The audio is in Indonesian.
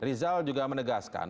rizal juga menegaskan